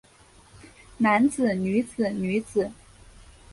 男子女子女子